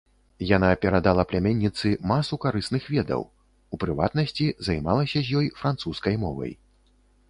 Яна перадала пляменніцы масу карысных ведаў, у прыватнасці, займалася з ёй французскай мовай.